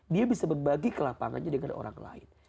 dia bisa berbagi ke lapangannya dengan orang lain